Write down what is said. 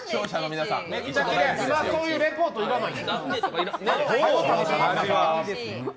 今、そういうレポート要らない。